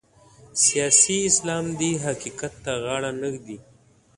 سیاسي اسلام دې حقیقت ته غاړه نه ږدي.